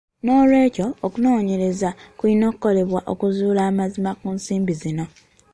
Noolwekyo okunoonyereza kulina okukolebwa okuzuula amazima ku nsimbi zino.